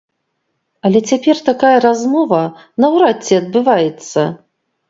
Але цяпер такая размова наўрад ці адбываецца.